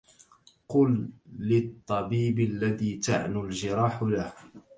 قل للطبيب الذي تعنو الجراح له